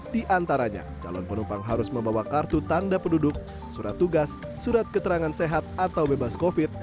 di antaranya calon penumpang harus membawa kartu tanda penduduk surat tugas surat keterangan sehat atau bebas covid